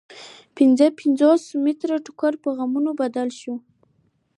پنځه پنځوس متره ټوکر په غنمو مبادله شو